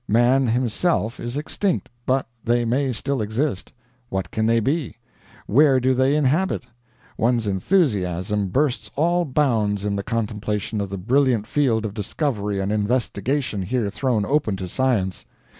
Man himself is extinct, but they may still exist. What can they be? Where do they inhabit? One's enthusiasm bursts all bounds in the contemplation of the brilliant field of discovery and investigation here thrown open to science.